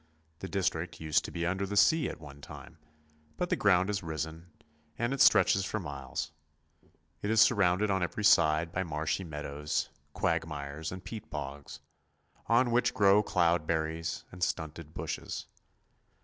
This district used to be under 2 75 276 ANDERSEN'S FAIRY TALES the sea at one time, but the ground has risen, and it stretches for miles. It is surrounded on every side by marshy meadows, quagmires, and peat bogs, on which grow cloud berries and stunted bushes.